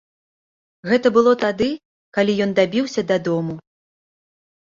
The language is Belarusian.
Гэта было тады, калі ён дабіўся дадому.